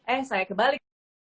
eh saya kebalik